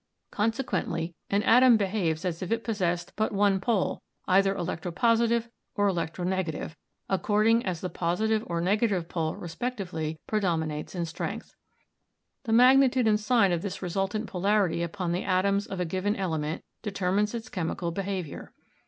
Consequently, an atom behaves as if it possessed but one pole, either electropositive or electronegative, according as the positive or negative pole, respectively, predominates in strength. The magnitude and sign of this resultant polarity upon the atoms of a given element determines its chemical behavior.